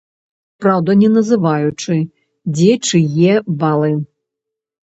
Праўда, не называючы, дзе чые балы.